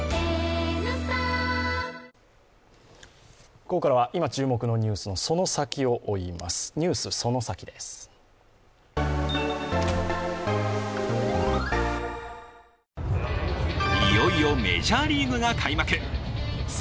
ここからは今注目のニュースのその先を追います「ＮＥＷＳそのサキ！」です。